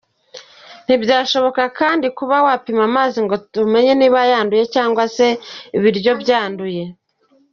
Ntibyashobokaga kandi kuba twapima amazi ngo tumenye niba yanduye cyangwa se ibiryo byanduye.